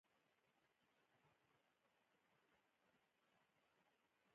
نو د دې پر ځای چې د افغانستان قوي کولو لپاره کار وکړو.